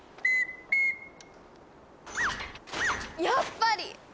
やっぱり！